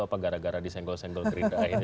apa gara gara di senggol senggol gerindar ini